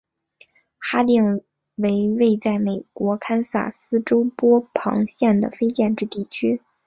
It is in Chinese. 哈定为位在美国堪萨斯州波旁县的非建制地区。